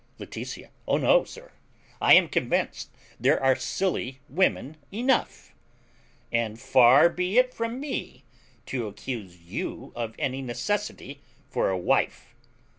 Laetitia. O no, sir; I am convinced there are silly women enough. And far be it from me to accuse you of any necessity for a wife.